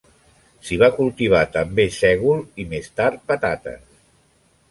S'hi va cultivar també sègol i més tard patates.